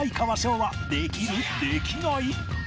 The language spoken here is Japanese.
できない？